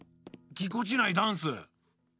ぎこちないダンス！